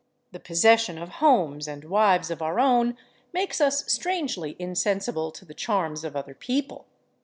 The possession of homes and wives of our own makes us strangely insensible to the charms of other people....